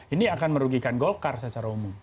ini akan merugikan golkar secara umum